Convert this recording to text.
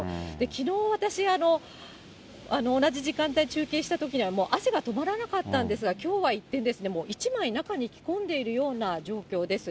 きのう、私、同じ時間帯、中継したときには、もう汗が止まらなかったんですが、きょうは一転、１枚、中に着込んでいるような状況です。